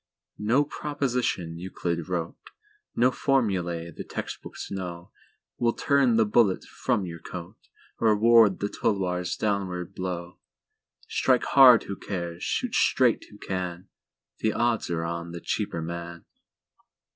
No proposition Euclid wroteNo formulæ the text books know, Will turn the bullet from your coat, Or ward the tulwar's downward blow. Strike hard who cares—shoot straight who can—The odds are on the cheaper man.